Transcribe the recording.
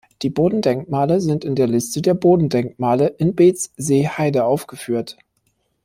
Die Bodendenkmale sind in der Liste der Bodendenkmale in Beetzseeheide aufgeführt.